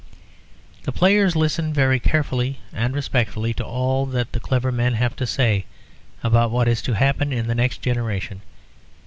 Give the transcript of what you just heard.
The players listen very carefully and respectfully to all that the clever men have to say about what is to happen in the next generation.